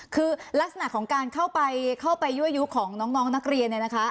คือลักษณะของการเข้าไปยั่วยุของน้องนักเรียนเนี่ยนะคะ